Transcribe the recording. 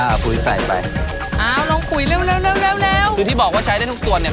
อ่าผุยใส่ไปอ้าวลงผุยเร็วเร็วเร็วเร็วเร็วคือที่บอกว่าใช้ได้ทุกส่วนเนี้ย